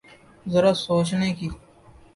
ذرا سوچنے کی۔